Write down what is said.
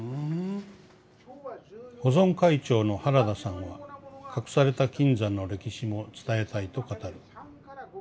「保存会長の原田さんは隠された金山の歴史も伝えたいと語る。